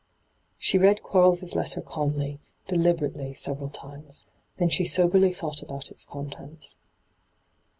She read Quarles' letter calmly, deliberately several times. Then she soberly thought about its contents.